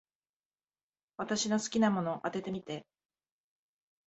私の好きなもの、当ててみて。